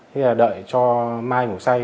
thế là đợi cho mai ngủ say